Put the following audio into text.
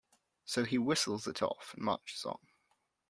So he whistles it off and marches on.